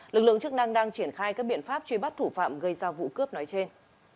lực lượng chức năng đang triển khai các biện pháp truy bắt thủ phạm gây ra vụ cướp nói trên